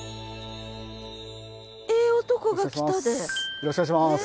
よろしくお願いします。